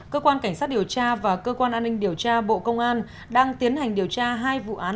cơ quan cảnh sát điều tra và cơ quan an ninh điều tra bộ công an đang tiến hành điều tra hai vụ án